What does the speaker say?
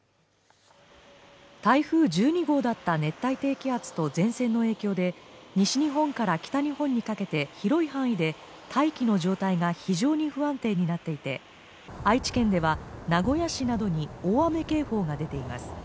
台風１２号だった熱帯低気圧と前線の影響で西日本から北日本にかけて広い範囲で大気の状態が非常に不安定になっていて愛知県では名古屋市などに大雨警報が出ています